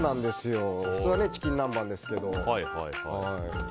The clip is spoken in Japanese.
普通はチキン南蛮ですけど。